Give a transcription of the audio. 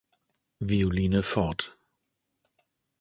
Violine fort.